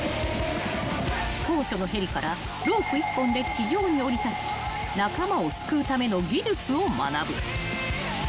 ［高所のヘリからロープ一本で地上に降り立ち仲間を救うための技術を学ぶ］